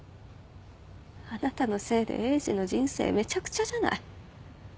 あなたのせいでエイジの人生めちゃくちゃじゃない。